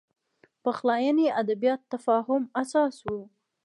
پخلاینې ادبیات تفاهم اساس و